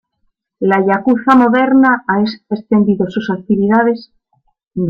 La yakuza moderna ha extendido sus actividades a la corrupción bancaria y política.